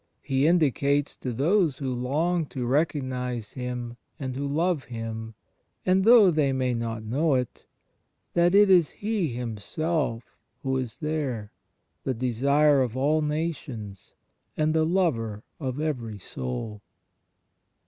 He indicates to those who long to recognize Him and who love Him, and (though they may not know it), that it is He Himself Who is there, the Desire of all nations and the Lover of every sotd.